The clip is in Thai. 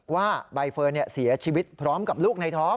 ว่าใบเฟิร์นเสียชีวิตพร้อมกับลูกในท้อง